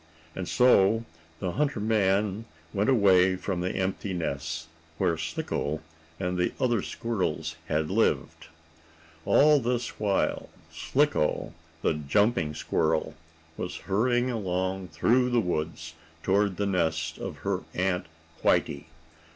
And so the hunter man went away from the empty nest, where Slicko and the other squirrels had lived. All this while Slicko, the jumping squirrel, was hurrying along through the woods, toward the nest of her Aunt Whitey.